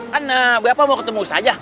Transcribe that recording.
kan bapak mau ketemu saja